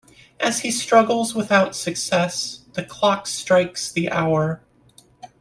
As he struggles without success, the clock strikes the hour.